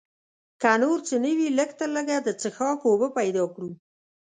که نور څه نه وي لږ تر لږه د څښاک اوبه پیدا کړو.